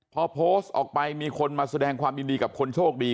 พอโพสต์ออกไปมีคนมาแสดงความยินดีกับคนโชคดี